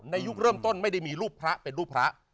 ยุคเริ่มต้นไม่ได้มีรูปพระเป็นรูปพระ